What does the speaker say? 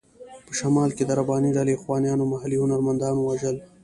په شمال کې د رباني ډلې اخوانیانو محلي هنرمندان ووژل.